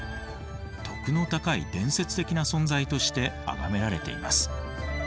徳の高い伝説的な存在としてあがめられています。